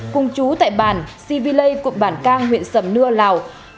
cung chú tại bàn sivi lây cụm bản cang huyện sầm nưa lào